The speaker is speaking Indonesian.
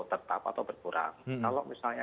tetap atau berkurang kalau misalnya